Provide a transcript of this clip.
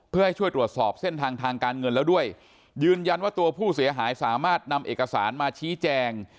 เพื่อให้ช่วยตรวจสอบเส้นทางทางการเงินแล้วด้วยยืนยันว่าตัวผู้เสียหายสามารถนำเอกสารมาชี้แจง